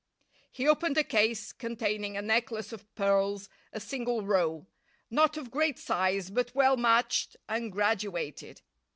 He opened a case, containing a necklace of pearls, a single row. Not of great size, but well matched and graduated.